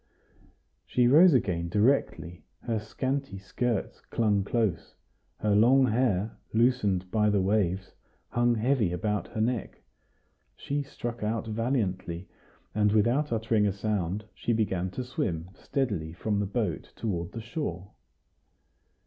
She rose again directly; her scanty skirts clung close; her long hair, loosened by the waves, hung heavy about her neck. She struck out valiantly, and, without uttering a sound, she began to swim steadily from the boat toward the shore.